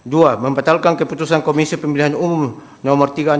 dua membatalkan keputusan komisi pemilihan umum no tiga ratus enam puluh